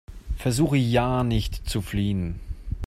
Versuche ja nicht zu fliehen!